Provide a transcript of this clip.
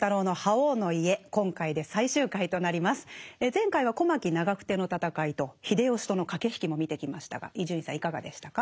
前回は小牧・長久手の戦いと秀吉との駆け引きも見てきましたが伊集院さんいかがでしたか？